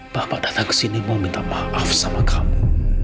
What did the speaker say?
bapak datang ke sini mau minta maaf sama kamu